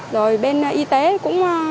rồi bên y tế cũng